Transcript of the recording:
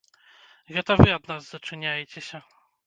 Гэта вы ад нас зачыняецеся.